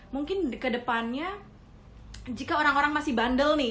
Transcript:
mungkin kedepannya jika orang orang masih bandel nih